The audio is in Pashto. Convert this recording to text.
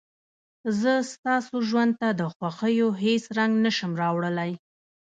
زه ستاسو ژوند ته د خوښيو هېڅ رنګ نه شم راوړلى.